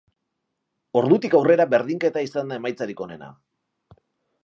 Ordutik aurrera berdinketa izan da emaitzarik onena.